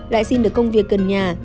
lại xin được công việc gần nhà